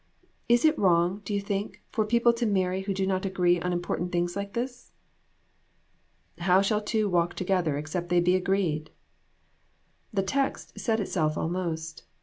Is it wrong, do you think, for people to marry who do not agree on important things like this?" " [How shall two walk together except they be agreed ?'" This text said itself almost.